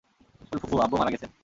ওর ফুফু, আব্বু মারা গেসেন।